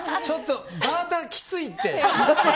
ちょっとバーターきついって！